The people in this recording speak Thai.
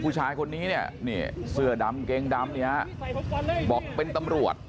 ผู้ชายคนนี้เสื้อดำเกงดำบอกเป็นตำรวจ